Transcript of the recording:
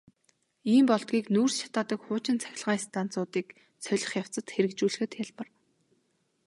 Ийм бодлогыг нүүрс шатаадаг хуучин цахилгаан станцуудыг солих явцад хэрэгжүүлэхэд хялбар.